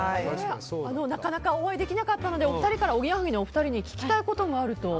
なかなかお会いできなかったのでお二人からおぎやはぎのお二人に聞きたいことがあると？